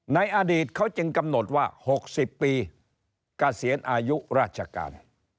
ในอดีตเขาจึงกำหนดว่า๖๐ปีเกษียณอายุราชการ